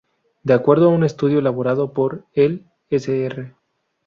De acuerdo a un estudio elaborado por el Sr.